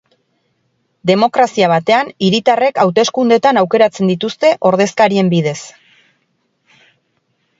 Demokrazia batean, hiritarrek hauteskundeetan aukeratzen dituzte ordezkarien bidez.